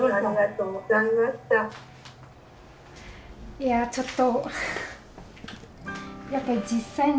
いやちょっと。